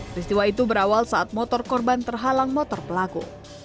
peristiwa itu berawal saat motor korban terhalang motor pelaku